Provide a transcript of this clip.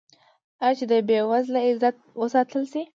آیا چې د بې وزله عزت وساتل شي؟